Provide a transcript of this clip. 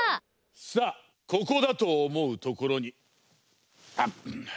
さあここだと思うところにあっ。